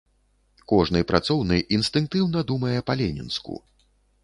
Кожны працоўны інстынктыўна думае па-ленінску.